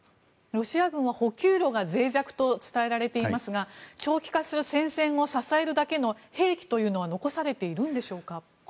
ロシア軍は補給路がぜい弱と伝えられていますが長期化する戦線を支えるだけの兵器というのは残されているんでしょうか。